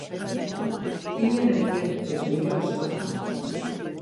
Ien en ien is mear as twa.